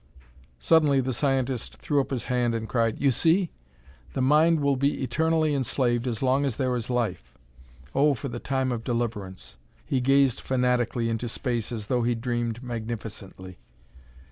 Suddenly the scientist threw up his hand and cried: "You see? The Mind will be eternally enslaved as long as there is life! Oh, for the time of deliverance!" He gazed fanatically into space, as though he dreamed magnificently.